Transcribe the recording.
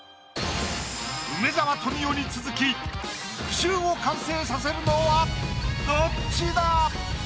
梅沢富美男に続き句集を完成させるのはどっちだ